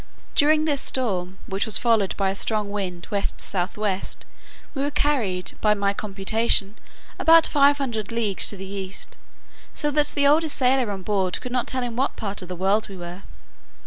During this storm, which was followed by a strong wind west south west, we were carried, by my computation, about five hundred leagues to the east, so that the oldest sailor on board could not tell in what part of the world we were.